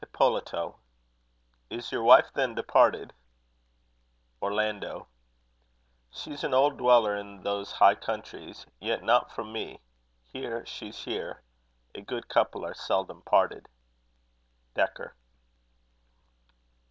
Hipolito. Is your wife then departed? Orlando. She's an old dweller in those high countries, yet not from me: here, she's here; a good couple are seldom parted. DEKKER.